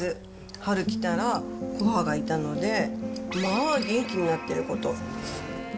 春来たら、こはがいたので、まあ元気になってること。